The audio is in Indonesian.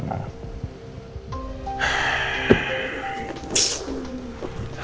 nah aku juga mau cerita